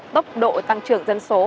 tốc độ tăng trưởng dân số